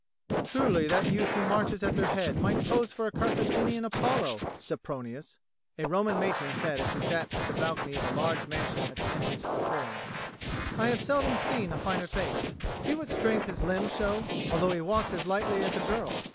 "Truly, that youth who marches at their head might pose for a Carthaginian Apollo, Sempronius," a Roman matron said as she sat at the balcony of a large mansion at the entrance to the Forum. "I have seldom seen a finer face. See what strength his limbs show, although he walks as lightly as a girl.